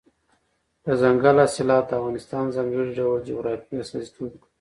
دځنګل حاصلات د افغانستان د ځانګړي ډول جغرافیې استازیتوب کوي.